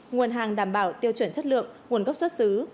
nguồn hàng đảm bảo tiêu chuẩn chất lượng nguồn gốc xuất xứ